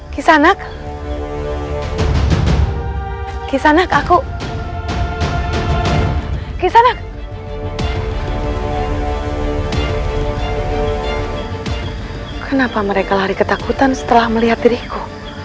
kisanak kisanak aku kisanak kenapa mereka lari ketakutan setelah melihat diriku